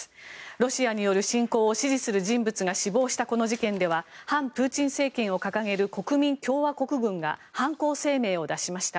ロシアによる侵攻を支持する人物が死亡したこの事件では反プーチン政権を掲げる国民共和国軍が犯行声明を出しました。